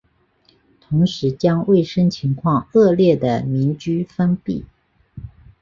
同时将卫生情况恶劣的民居封闭。